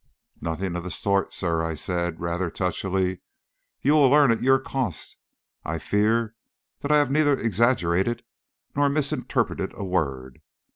"Nothing of the sort, sir," said I, rather touchily "You will learn to your cost, I fear, that I have neither exaggerated nor misinterpreted a word.